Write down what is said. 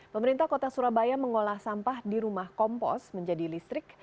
pemerintah kota surabaya mengolah sampah di rumah kompos menjadi listrik